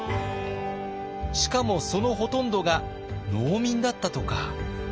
しかもそのほとんどが農民だったとか。